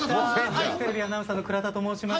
フジテレビアナウンサーの倉田と申します。